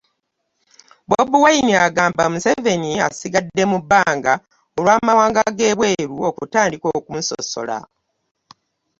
Bobi Wine agamba Museveni asigadde mu bbanga olw'amawanga g'ebweru okutandika okumusosola